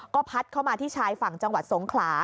ก็พัดเข้ามาที่ชายฝั่งจังหวัดสงขลา